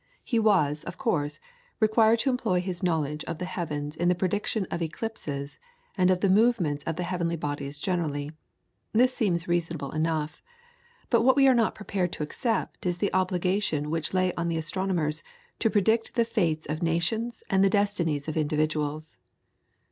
He was, of course, required to employ his knowledge of the heavens in the prediction of eclipses, and of the movements of the heavenly bodies generally. This seems reasonable enough; but what we are not prepared to accept is the obligation which lay on the astronomers to predict the fates of nations and the destinies of individuals.